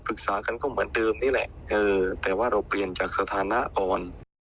กันก็เหมือนเดิมนี่แหละแต่ว่าเราเปลี่ยนจากสถานะก่อน